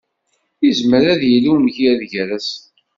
Yezmer ad yili umgired gar-asen.